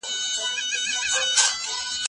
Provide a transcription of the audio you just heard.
د ميرمني پر نيمګړتياوو صبر کول څه حکم لري؟